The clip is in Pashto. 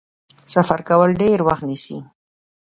سفر کول ډیر وخت نیسي.